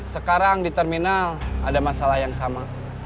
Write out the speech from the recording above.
sekarang di terminal ada masalah yang sama